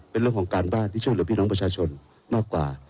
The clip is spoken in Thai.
เป็นเรื่องของการบ้านที่ช่วยเหลือพี่น้องประชาชนมากกว่า